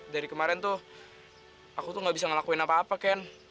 dari kemarin tuh aku tuh gak bisa ngelakuin apa apa ken